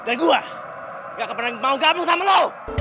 dan gue gak akan pernah mau gabung sama lo